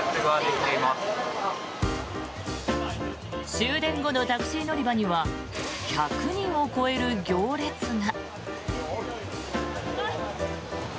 終電後のタクシー乗り場には１００人を超える行列が。